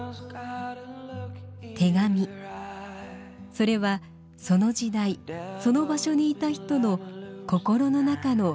それはその時代その場所にいた人の心の中の風景です。